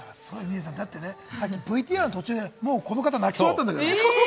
だってね、さっきＶＴＲの途中でもうこの方、泣きそうだったんだから。